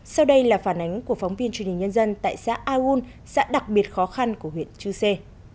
sau đây là phản ánh của phóng viên truyền hình nhân dân tại xã aun xã đặc biệt khó khăn của huyện chư sê